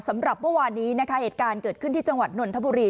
สำหรับเมื่อวานนี้นะคะเหตุการณ์เกิดขึ้นที่จังหวัดนนทบุรี